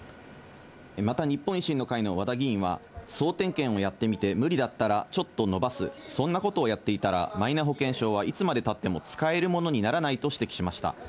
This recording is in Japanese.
また日本維新の会の和田議員は、総点検をやってみて無理だったらちょっと延ばす、そんなことをやっていたら、マイナ保険証はいつまでたっても使えるものにならないと指摘しました。